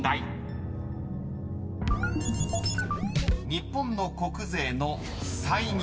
［日本の国税の歳入